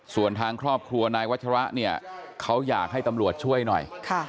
ส่วนทางครอบครัวนายวัชระเนี่ยเขาอยากให้ตำรวจช่วยหน่อย